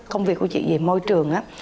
công việc của chị về môi trường á